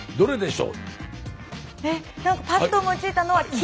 えっパッと思いついたのは金！